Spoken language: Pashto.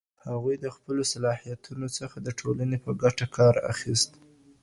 هغوی د خپلو صلاحيتونو څخه د ټولني په ګټه کار اخيست.